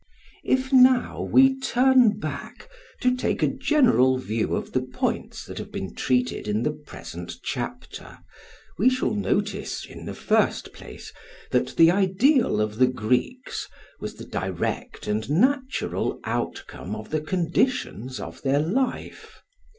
If now we turn back to take a general view of the points that have been treated in the present chapter, we shall notice, in the first place, that the ideal of the Greeks was the direct and natural outcome of the conditions of their life.